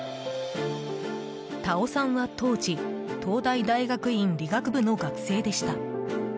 田尾さんは当時東大大学院理学部の学生でした。